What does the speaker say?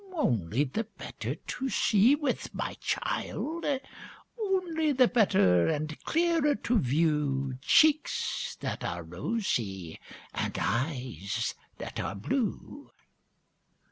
Only the better to see with, my child! Only the better and clearer to view Cheeks that are rosy and eyes that are blue.